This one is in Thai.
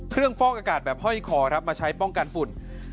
เครื่องฟอกอากาศแบบห้อยคอมาใช้ป้องกันฝุ่น